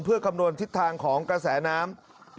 เพื่อคำนวณทิศทางของกระแสน้ำ